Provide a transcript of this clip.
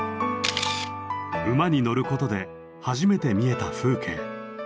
馬に乗ることで初めて見えた風景。